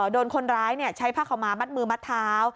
โดนคนร้ายใช้ผ้าขาวมามัดมือมัดเท้า